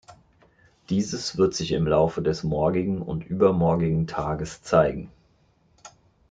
Dieses wird sich im Laufe des morgigen und übermorgigen Tages zeigen.